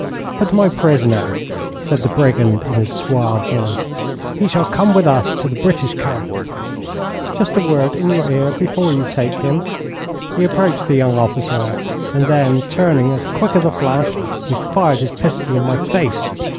'But my prisoner?' said the brigand, in his suave voice. 'He shall come with us to the British camp.' 'Just a word in your ear before you take him.' He approached the young officer, and then turning as quick as a flash, he fired his pistol in my face.